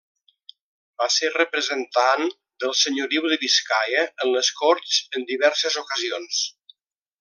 Va ser representant del senyoriu de Biscaia en les Corts en diverses ocasions.